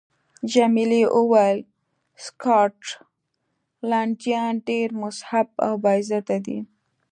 جميلې وويل: سکاټلنډیان ډېر مهذب او با عزته دي.